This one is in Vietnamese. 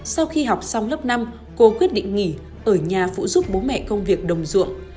sau khi học xong lớp năm cô quyết định nghỉ ở nhà phụ giúp bố mẹ công việc đồng ruộng